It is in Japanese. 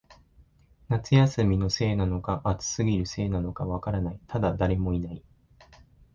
夏休みのせいなのか、暑すぎるせいなのか、わからない、ただ、誰もいない